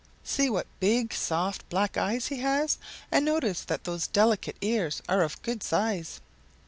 See what big, soft black eyes he has, and notice that those delicate ears are of good size.